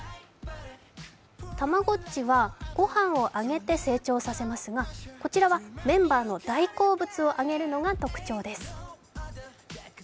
たまごっちは、御飯をあげて成長させますが、こちらはメンバーの大好物をあげるのが特徴だそうです。